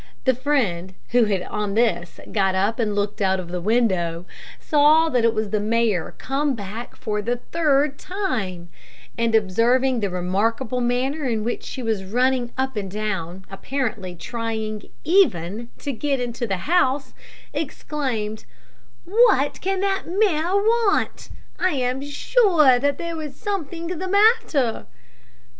The friend, who had on this got up to look out of the window, saw that it was the mare come back for the third time; and observing the remarkable manner in which she was running up and down, apparently trying even to get into the house, exclaimed, "What can that mare want? I am sure that there is something the matter."